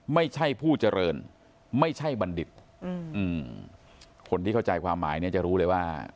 ไม่ใช่ผู้เจริญไม่ใช่บัณฑิตอืมคนที่เข้าใจความหมายเนี่ยจะรู้เลยว่า